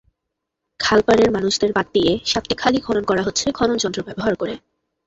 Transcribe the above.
খালপাড়ের মানুষদের বাদ দিয়ে সাতটি খালই খনন করা হচ্ছে খননযন্ত্র ব্যবহার করে।